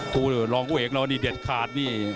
ครูรองเวทเราเด็ดขาดนี่